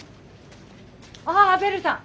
あベルさん！